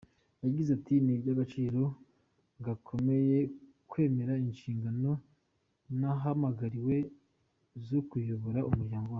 Yagize ati, "Ni iby’agaciro gakomeye kwemera inshingano nahamagariwe zo kuyobora umuryango wacu.